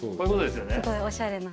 すごいおしゃれな。